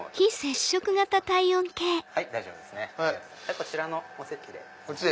こちらのお席で。